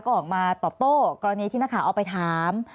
ก็ออกมาตอบโต้กรณีที่นาคารออกไปถาม